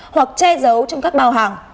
hoặc che giấu trong các bao hàng